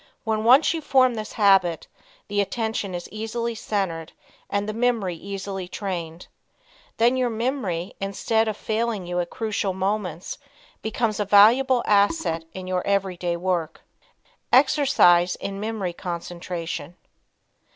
When once you form this habit, the attention is easily centered and the memory easily trained. Then your memory, instead of failing you at crucial moments, becomes a valuable asset in your every day work. Exercise in Memory Concentration.